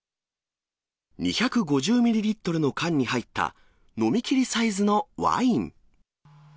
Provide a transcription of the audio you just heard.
２５０ミリリットルの缶に入った飲みきりサイズのワイン。